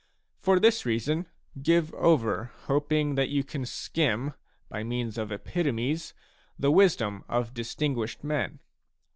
For this reason, give over hoping that you can skim, by means of epitomes», the wisdom of distin guished men.